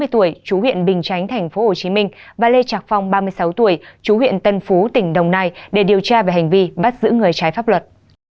ba mươi tuổi chú huyện bình chánh tp hcm và lê trạc phong ba mươi sáu tuổi chú huyện tân phú tỉnh đồng nai để điều tra về hành vi bắt giữ người trái pháp luật